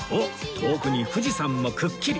遠くに富士山もくっきり